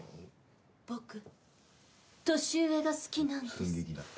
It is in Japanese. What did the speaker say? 僕年上が好きなんです。